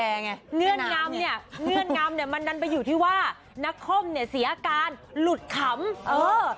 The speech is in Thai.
เออเงื่อนงำเนี่ยมันดันไปอยู่ที่ว่านักคอมเนี่ยเสียการหลุดขำเออ